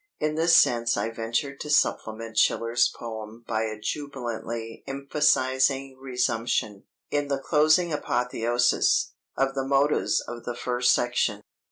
In this sense I ventured to supplement Schiller's poem by a jubilantly emphasizing resumption, in the closing Apotheosis, of the motives of the first section."